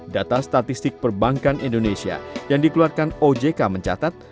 data statistik perbankan indonesia yang dikeluarkan ojk mencatat